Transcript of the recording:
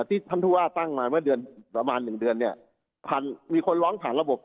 ที่ท่านผู้ว่าตั้งมาเมื่อเดือนประมาณหนึ่งเดือนเนี่ยผ่านมีคนร้องผ่านระบบ